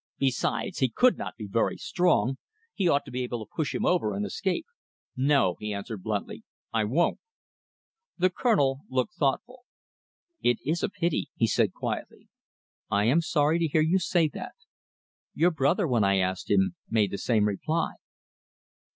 Besides, he could not be very strong. He ought to be able to push him over and escape! "No!" he answered bluntly, "I won't!" The Colonel looked thoughtful. "It is a pity," he said quietly. "I am sorry to hear you say that. Your brother, when I asked him, made the same reply."